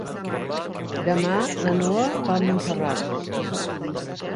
Demà na Noa va a Montserrat.